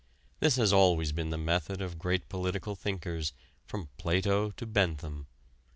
This has always been the method of great political thinkers from Plato to Bentham.